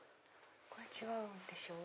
これ違うでしょ。